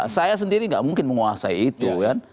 saya sendiri tidak mungkin menguasai itu